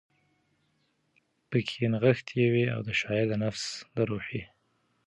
پکښې نغښتی وی، او د شاعر د نفس د روحي